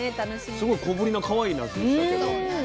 すごい小ぶりなかわいいなすでしたけども。